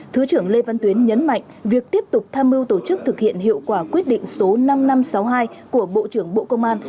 thứ trưởng lê văn tuyến nhấn mạnh việc tiếp tục tham mưu tổ chức thực hiện hiệu quả quyết định số năm nghìn năm trăm sáu mươi hai của bộ trưởng bộ công an